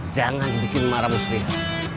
jangan bikin marah muslihat